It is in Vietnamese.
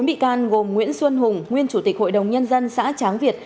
bốn bị can gồm nguyễn xuân hùng nguyên chủ tịch hội đồng nhân dân xã tráng việt